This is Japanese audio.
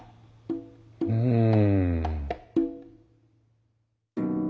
うん。